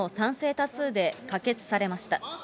多数で可決されました。